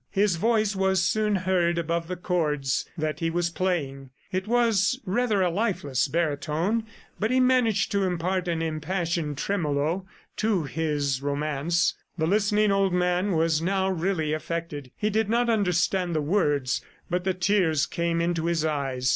His voice was soon heard above the chords that he was playing. It was rather a lifeless baritone, but he managed to impart an impassioned tremolo to his romance. The listening old man was now really affected; he did not understand the words, but the tears came into his eyes.